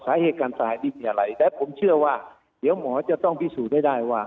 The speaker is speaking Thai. สาเหตุการตายนี่มีอะไรแต่ผมเชื่อว่าเดี๋ยวหมอจะต้องพิสูจน์ให้ได้ว่า